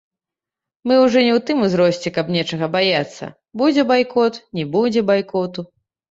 Мы ўжо не ў тым узросце, каб нечага баяцца, будзе байкот, не будзе байкоту.